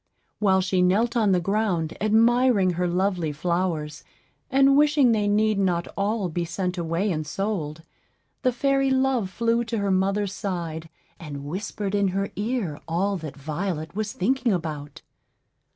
While she knelt on the ground admiring her lovely flowers, and wishing they need not all be sent away and sold, the fairy Love flew to her mother's side, and whispered in her ear all that Violet was thinking about.